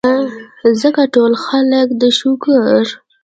ځکه ټول خلک د شوګر ،